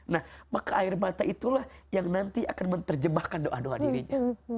nah maka air mata itulah yang nanti akan menerjemahkan doa doa dirinya